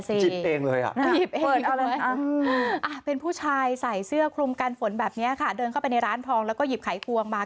เปิดเอาเลยเป็นผู้ชายใส่เสื้อคลุมกันฝนแบบเนี่ยค่ะเดินเข้าไปในร้านทองแล้วก็หยิบไขควงมา